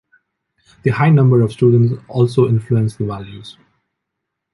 The high number of students also influenced the values.